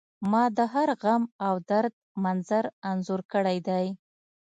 ما د هر غم او درد منظر انځور کړی دی